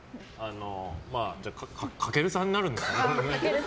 翔さんになるんですかね。